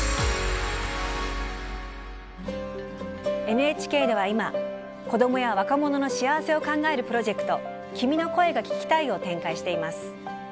ＮＨＫでは今子どもや若者の幸せを考えるプロジェクト「君の声が聴きたい」を展開しています。